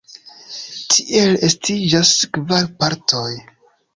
Tiel estiĝas kvar partoj.